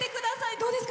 どうですか？